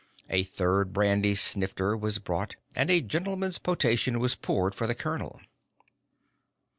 A third brandy snifter was brought and a gentleman's potation was poured for the colonel.